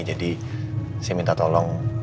jadi saya minta tolong